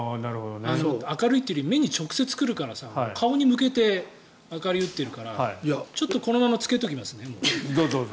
明るいというより目に直接来るからさ顔に向けて明かりを打ってるからちょっとこのまま着けておきますね。